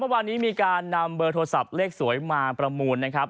วันนี้มีการนำเบอร์โทรศัพท์เลขสวยมาประมูลนะครับ